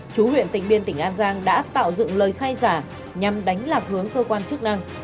chú huyện tỉnh biên tỉnh an giang đã tạo dựng lời khai giả nhằm đánh lạc hướng cơ quan chức năng